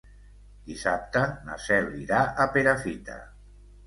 Dissabte na Cel irà a Perafita.